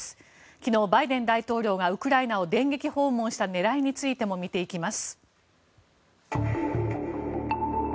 昨日、バイデン大統領がウクライナを電撃訪問した狙いについても見ていきます。